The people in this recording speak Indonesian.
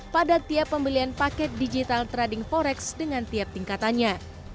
pada tiap pembelian paket digital trading forex dengan tiap tingkatannya